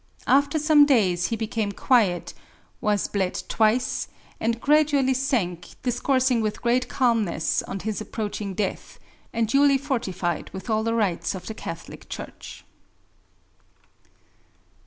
After some days he became quiet, was bled twice, and gradually sank, discoursing with great calmness on his approaching death, and duly fortified with all the rites of the Catholic Church.